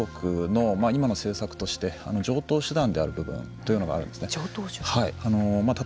一方で、中国の今の政策として常とう手段である部分があるんですよね。